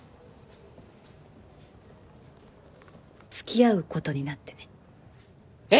付き合うことになってね。